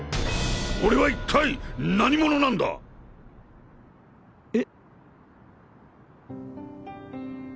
俺は一体何者なんだ！？え？